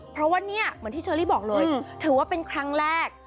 เพราะว่าเนี่ยเหมือนที่เชอรี่บอกเลยถือว่าเป็นครั้งแรก